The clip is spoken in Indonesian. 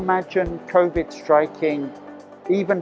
kegagalan ekonomi akan menjadi lebih besar